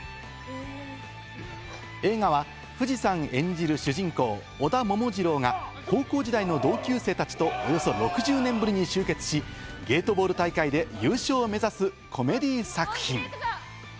映画は藤さん演じる主人公・織田桃次郎が高校時代の同級生たちとおよそ６０年ぶりに集結し、ゲートボール大会で優勝を目指すコメディー作品。